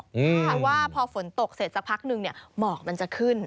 เพราะว่าพอฝนตกเสร็จสักพักนึงหมอกมันจะขึ้น